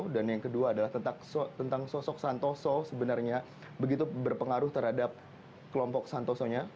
dan yang kedua adalah tentang sosok santoso sebenarnya begitu berpengaruh terhadap kelompok santoso